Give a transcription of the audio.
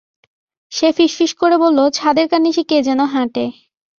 সে ফিসফিস করে বলল, ছাদের কার্নিশে কে যেন হাঁটে।